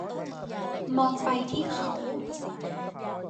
มองไปที่เขา